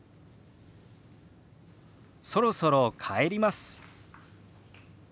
「そろそろ帰ります」。